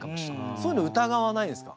そういうの疑わないんですか？